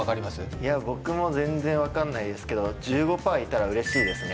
いや僕も全然わかんないですけど１５％いたら嬉しいですね